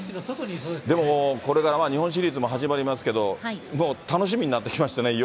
でもこれから日本シリーズも始まりますけど、楽しみになってきま